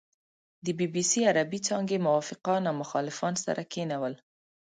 د بي بي سي عربې څانګې موافقان او مخالفان سره کېنول.